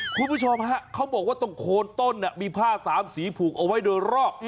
คุณผู้ชมฮะเขาบอกว่าตรงโคนต้นมีผ้าสามสีผูกเอาไว้โดยรอบ